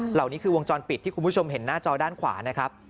เหล่านี้คือวงจรปิดที่คุณผู้ชมเห็นหน้าจอด้านขวานะครับ